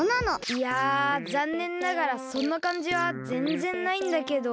いやざんねんながらそんなかんじはぜんぜんないんだけど。